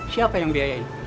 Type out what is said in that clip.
siapa yang biayain